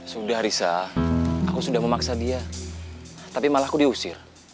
sudah risa aku sudah memaksa dia tapi malah aku diusir